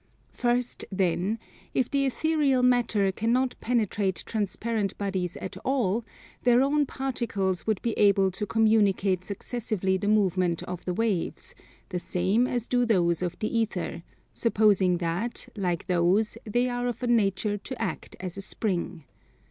First, then, if the ethereal matter cannot penetrate transparent bodies at all, their own particles would be able to communicate successively the movement of the waves, the same as do those of the Ether, supposing that, like those, they are of a nature to act as a spring.